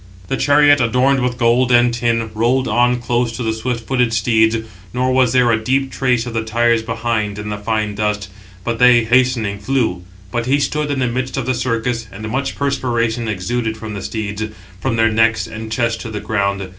The chariot, adorned with gold and tin, rolled on close to the swift footed steeds; nor was there a deep trace of the tires behind in the fine dust, but they, hastening, flew. But he stood in the midst of the circus, and much perspiration exuded from the steeds, from their necks and chest to the ground.